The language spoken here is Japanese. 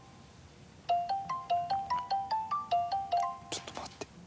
ちょっと待って。